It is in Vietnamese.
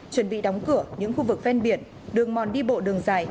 chuẩn bị đóng cửa những khu vực ven biển đường mòn đi bộ đường dài